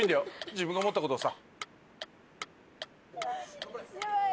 自分が思ったことをさ。